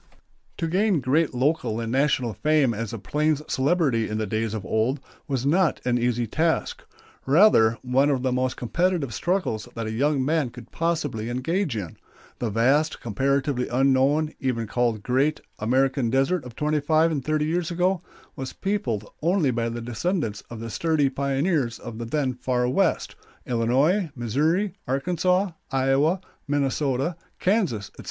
To gain great local and national fame as a plains celebrity in the days of old was not an easy task; rather one of the most competitive struggles that a young man could possibly engage in. The vast, comparatively unknown, even called great, American Desert of twenty five and thirty years ago was peopled only by the descendants of the sturdy pioneers of the then far West Illinois, Missouri, Arkansas, Iowa, Minnesota, Kansas, etc.